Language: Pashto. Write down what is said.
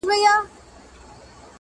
خو اوس دي گراني دا درسونه سخت كړل_